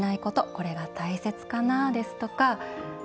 これが大切かな」ですとか。